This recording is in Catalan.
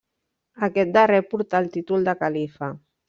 Aquest darrer portà el títol de califa.